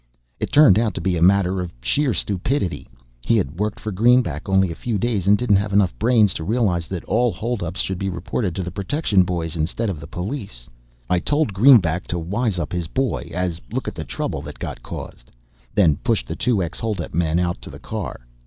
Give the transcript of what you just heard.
It turned out to be a matter of sheer stupidity. He had worked for Greenback only a few days and didn't have enough brains to realize that all holdups should be reported to the protection boys instead of the police. I told Greenback to wise up his boy, as look at the trouble that got caused. Then pushed the two ex holdup men out to the car.